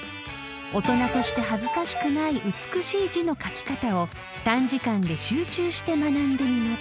［大人として恥ずかしくない美しい字の書き方を短時間で集中して学んでみます］